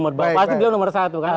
pasti dia nomor satu